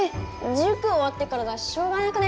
塾終わってからだししょうがなくねえ？